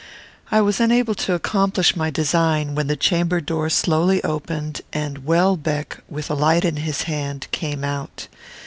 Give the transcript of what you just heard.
I was unable to accomplish my design, when the chamber door slowly opened, and Welbeck, with a light in his hand, came out.